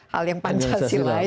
hal yang pancasilai